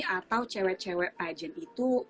atau cewek cewek agent itu